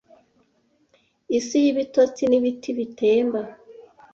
Isi y'ibitotsi n'ibiti bitemba!